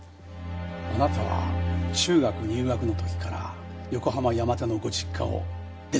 あなたは中学入学の時から横浜山手のご実家を出ていますね？